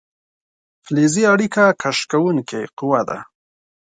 فلزي اړیکه کش کوونکې قوه ده.